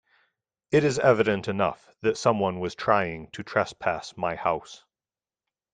It is evident enough that someone was trying to trespass my house.